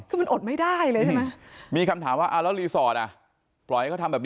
แล้วมันจะไม่ติดกันเหรอถ้ามันเป็นถ้าเราเป็น